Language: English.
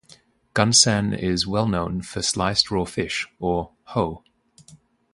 Gunsan is well known for sliced raw fish, or "hoe".